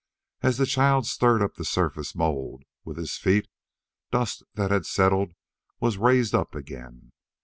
As the child stirred up the surface mould with his feet, dust that had settled was raised up again.